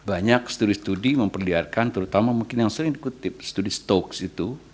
banyak studi studi memperlihatkan terutama mungkin yang sering dikutip studi stoks itu